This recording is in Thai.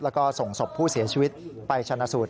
แล้วก็ส่งศพผู้เสียชีวิตไปชนะสูตร